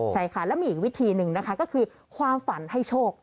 ใช่ค่ะแล้วมีอีกวิธีหนึ่งนะคะก็คือความฝันให้โชค